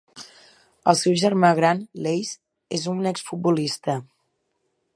El seu germà gran, Lasse, és un exfutbolista.